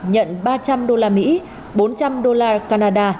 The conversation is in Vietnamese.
nhận ba trăm linh usd bốn trăm linh usd canada